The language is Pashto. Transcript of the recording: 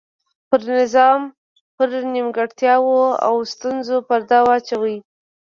پر نظام پر نیمګړتیاوو او ستونزو پرده واچوي.